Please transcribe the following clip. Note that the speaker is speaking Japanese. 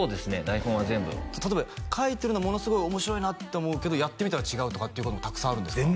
台本は全部例えば書いてるのものすごい面白いなって思うけどやってみたら違うとかってこともたくさんあるんですか？